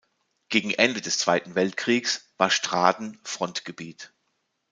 Gegen Ende des Zweiten Weltkriegs war Straden Frontgebiet.